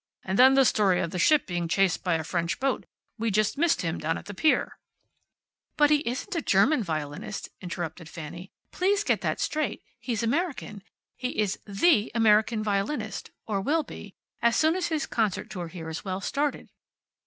And then the story of the ship being chased by a French boat. We just missed him down at the pier " "But he isn't a German violinist," interrupted Fanny. "Please get that straight. He's American. He is THE American violinist or will be, as soon as his concert tour here is well started.